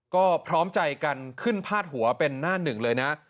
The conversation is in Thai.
ก็พร้อมใจกันขึ้นพาดหัวเป็นหน้าหนึ่งเลยนะ